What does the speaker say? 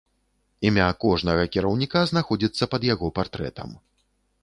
Імя кожнага кіраўніка знаходзіцца пад яго партрэтам.